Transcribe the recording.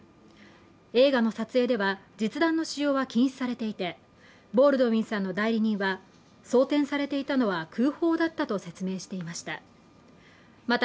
映画の撮影では実弾の使用は禁止されていてボールドウィンさんの代理人は装てんされていたのは空砲だったと説明していました